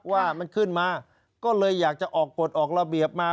ว่ามันขึ้นมาก็เลยอยากจะออกกฎออกระเบียบมา